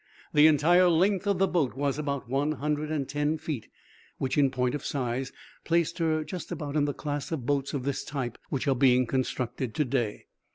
The entire length of the boat was about one hundred and ten feet, which in point of size placed her just about in the class of boats of this type which are being constructed to day.